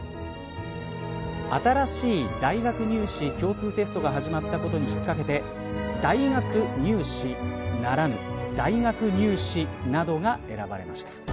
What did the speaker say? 新しい大学入試共通テストが始まったことに引っかけて大学入試ならぬ大学新試などが選ばれました。